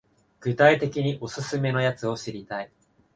具体的にオススメのやつ知りたい